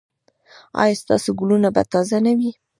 ایا ستاسو ګلونه به تازه نه وي؟